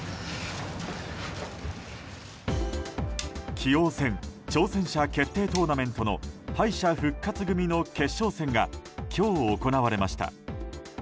棋王戦挑戦者決定トーナメントの敗者復活組の決勝戦が今日行われました。